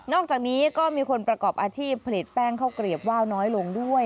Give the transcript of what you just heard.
อกจากนี้ก็มีคนประกอบอาชีพผลิตแป้งข้าวเกลียบว่าวน้อยลงด้วย